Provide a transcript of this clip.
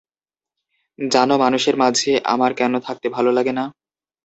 জানো মানুষের মাঝে আমার কেন থাকতে ভালো লাগে না?